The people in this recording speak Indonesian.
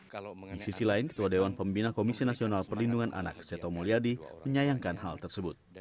di sisi lain ketua dewan pembina komisi nasional perlindungan anak seto mulyadi menyayangkan hal tersebut